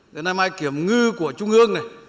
đến nay mai kiểm ngư của trung ương này